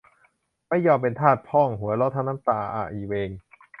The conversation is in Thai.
ไม่ยอมเป็นทาส พ่อง หัวเราะทั้งน้ำตาอะ อิเวง